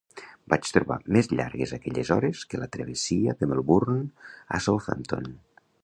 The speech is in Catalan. Vaig trobar més llargues aquelles hores que la travessia de Melbourne a Southampton.